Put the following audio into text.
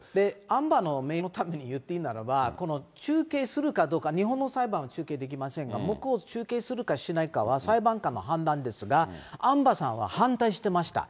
アンバーの名誉のために言っていいならば、この中継するかどうかは日本の裁判中継できませんが、向こう、中継するかしないかは、裁判官の判断ですが、アンバーさんは反対してました。